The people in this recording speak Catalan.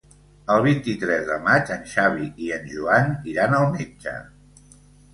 El vint-i-tres de maig en Xavi i en Joan iran al metge.